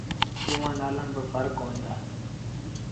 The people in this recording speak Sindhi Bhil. تا اُئآݩ نآلآ با ڦرڪ هوئين دآ۔